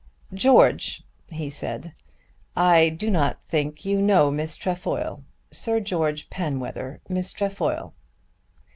"George," he said, "I do not think you know Miss Trefoil. Sir George Penwether; Miss Trefoil."